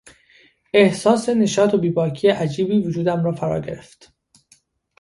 احساس نشاط و بیباکی عجیبی وجودم را فراگرفت.